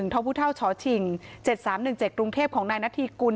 ท้าวภูเท่าชฉิ่ง๗๓๑๗รุงเทพฯของนายนัทธีกุล